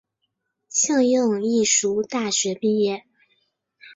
庆应义塾大学毕业。